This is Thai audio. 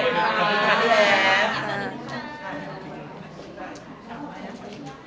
ขอบคุณค่ะด้วยนะครับ